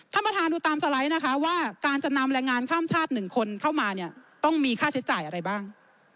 ท่านประธานดูตามสไลด์นะคะว่าการจะนำแรงงานข้ามชาติ๑คนเข้ามาเนี่ยต้องมีค่าใช้จ่ายอะไรบ้าง